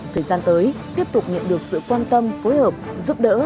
thời gian tới tiếp tục nhận được sự quan tâm phối hợp giúp đỡ